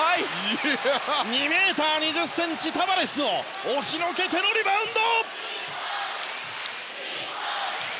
２ｍ２１ｃｍ、タバレスを押しのけてのリバウンド！